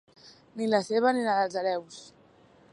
Ni la seva ni la dels hereus.